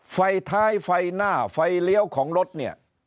ไฟท้ายไฟหน้าไฟเลี้ยวของรถเนี่ย